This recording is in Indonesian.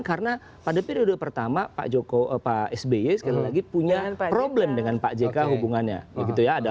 karena pada periode pertama pak sby sekali lagi punya problem dengan pak jk hubungannya